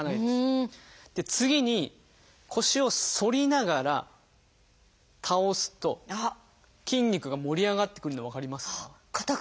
で次に腰を反りながら倒すと筋肉が盛り上がってくるの分かりますか？